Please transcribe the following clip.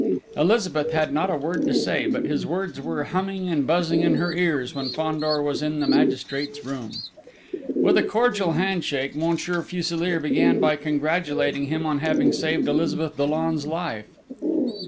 Elizabeth had not a word to say, but his words were humming and buzzing in her ears when Fandor was in the magistrate's room. With a cordial handshake, Monsieur Fuselier began by congratulating him on having saved Elizabeth Dollon's life.